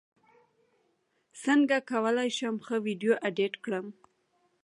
څنګه کولی شم ښه ویډیو ایډیټ کړم